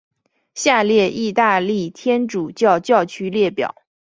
下列意大利天主教教区列表。